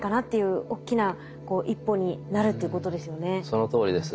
そのとおりです。